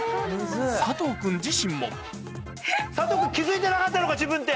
佐藤君自身も佐藤君気付いてなかったのか自分って。